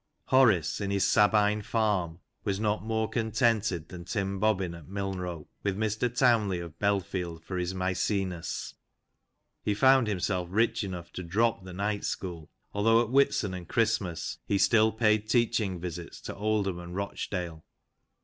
Horace, in his Sabine farm, was not more contented than Tim Bobbin at Milnrow, with MrTovvnley of Belfield for his McTcenas. He found himself rich enough to drop the night school, although, at Whitsun and Christmas, he still paid teaching visits to Oldham and Rochdale.